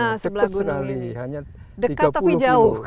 nah sebelah gunung ini dekat tapi jauh